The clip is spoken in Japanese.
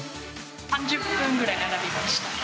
３０分ぐらい並びました。